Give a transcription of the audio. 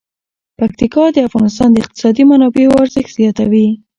پکتیکا د افغانستان د اقتصادي منابعو ارزښت زیاتوي.